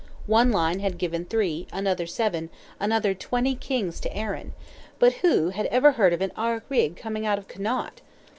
One line had given three, another seven, another twenty kings to Erin—but who had ever heard of an Ard Righ coming out of Connaught?